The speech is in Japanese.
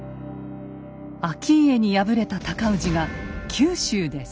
顕家に敗れた尊氏が九州で再起。